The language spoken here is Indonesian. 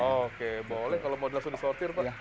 oke boleh kalau mau langsung disortir pak